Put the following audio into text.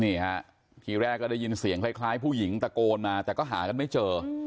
นี่ฮะทีแรกก็ได้ยินเสียงคล้ายผู้หญิงตะโกนมาแต่ก็หากันไม่เจอ